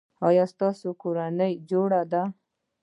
ایا ستاسو کورنۍ جوړه ده؟